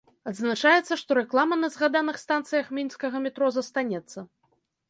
Адзначаецца, што рэклама на згаданых станцыях мінскага метро застанецца.